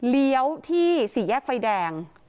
เลี้ยวที่สี่แยกไฟแดง